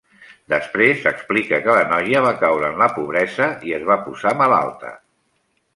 Després explica que la noia va caure en la pobresa i es va posar malalta.